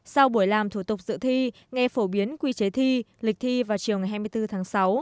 sau buổi làm thủ tục dự thi nghe phổ biến quy chế thi lịch thi vào chiều ngày hai mươi bốn tháng sáu